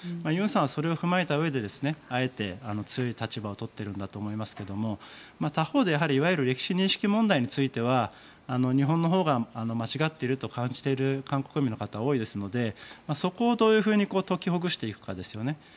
ユンさんはそれを踏まえたうえであえて強い立場を取っているんだと思いますけど他方でいわゆる歴史認識問題については日本のほうが間違っていると感じている韓国民の方は多いですのでそこをどういうふうに解きほぐしていくかですよね。